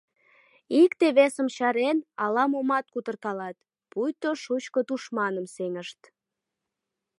Икте-весым чарен, ала-момат кутыркалат, пуйто шучко тушманым сеҥышт.